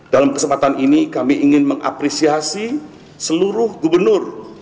dalam kesempatan ini kami ingin mengapresiasi seluruh gubernur